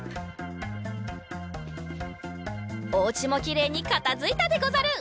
おうちもきれいにかたづいたでござる。